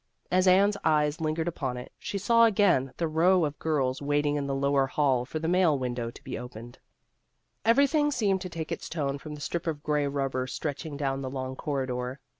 As Anne's eyes lingered upon it, she saw again the row of girls waiting in the lower hall for the mail window to be opened. Everything seemed to take its tone from the strip of gray rubber stretching down the long corridor.